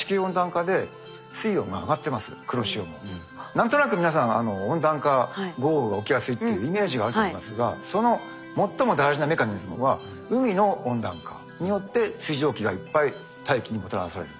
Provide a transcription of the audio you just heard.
何となく皆さん温暖化豪雨が起きやすいっていうイメージがあると思いますがその最も大事なメカニズムは海の温暖化によって水蒸気がいっぱい大気にもたらされる。